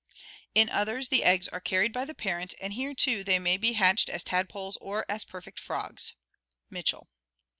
In others the eggs are carried by the parent, and here, too, they may be hatched as tadpoles or as perfect frogs " (Mitchell).